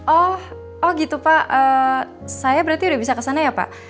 oh gitu pak saya berarti udah bisa ke sana ya pak